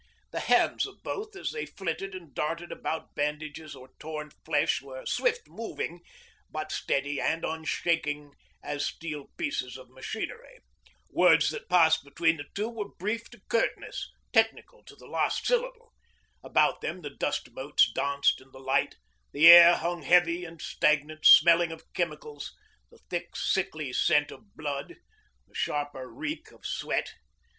The hands of both as they flitted and darted about bandages or torn flesh were swift moving, but steady and unshaking as steel pieces of machinery. Words that passed between the two were brief to curtness, technical to the last syllable. About them the dust motes danced in the light, the air hung heavy and stagnant, smelling of chemicals, the thick sickly scent of blood, the sharper reek of sweat.